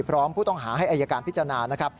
พร้อมผู้ต้องหาให้อายการพิจารณานะครับ